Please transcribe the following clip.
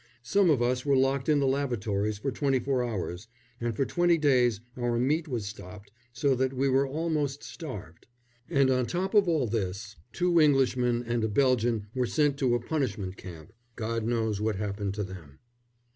Some of us were locked in the lavatories for twenty four hours, and for twenty days our meat was stopped, so that we were almost starved. And on top of all this, two Englishmen and a Belgian were sent to a punishment camp. God knows what happened to them.